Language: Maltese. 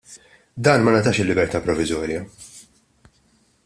Dan ma ngħatax il-libertà proviżorja.